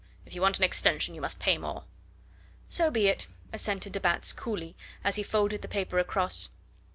If you want an extension you must pay more." "So be it," assented de Batz coolly, as he folded the paper across.